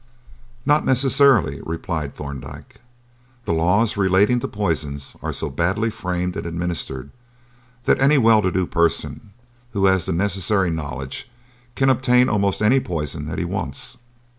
"Not necessarily," replied Thorndyke. "The laws relating to poisons are so badly framed and administered that any well to do person, who has the necessary knowledge, can obtain almost any poison that he wants.